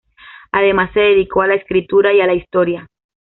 Además se dedicó a la escritura y a la historia.